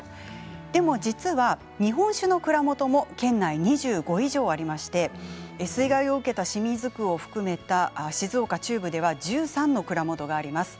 でも実は日本酒の蔵元も県内２５以上ありまして水害を受けた清水区を含めた静岡中部では１３の蔵元があります。